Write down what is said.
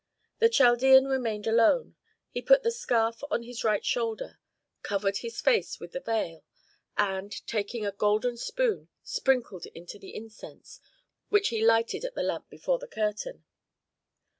The Chaldean remained alone. He put the scarf on his right shoulder, covered his face with the veil, and, taking a golden spoon sprinkled into it incense, which he lighted at the lamp before the curtain.